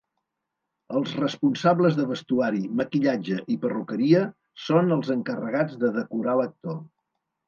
Els responsables de vestuari, maquillatge i perruqueria són els encarregats de 'decorar' l'actor.